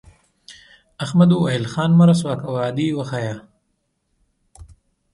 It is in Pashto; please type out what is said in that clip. احمد وویل خان مه رسوا کوه عادي وښیه.